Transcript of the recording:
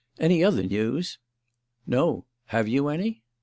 "Any other news?" "No. Have you any?"